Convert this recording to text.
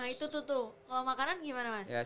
nah itu tuh kalau makanan gimana mas